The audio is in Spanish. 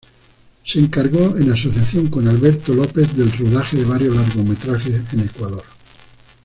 Se encargó, en asociación con Alberto López, del rodaje de varios largometrajes en Ecuador.